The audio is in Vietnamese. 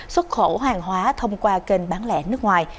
xuất khẩu hàng hóa thông qua kênh bán lẻ nước ngoài